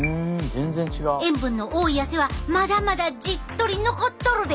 塩分の多い汗はまだまだじっとり残っとるで！